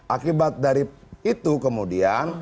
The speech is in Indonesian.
akibat dari itu kemudian